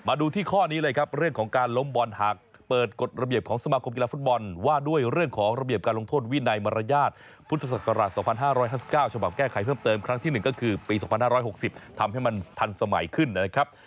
ดูที่ข้อนี้เลยครับเรื่องของการล้มบอลหากเปิดกฎระเบียบของสมาคมกีฬาฟุตบอลว่าด้วยเรื่องของระเบียบการลงโทษวินัยมารยาทพุทธศักราช๒๕๕๙ฉบับแก้ไขเพิ่มเติมครั้งที่๑ก็คือปี๒๕๖๐ทำให้มันทันสมัยขึ้นนะครับ